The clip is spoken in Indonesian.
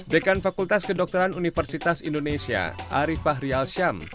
dekan fakultas kedokteran universitas indonesia ariefah rial syam